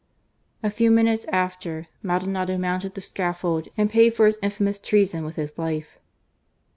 A few minutes after, Maldonado mounted the scafi'old and paid for his infamous treason with his. life.